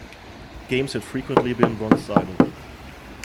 Games had frequently been one-sided.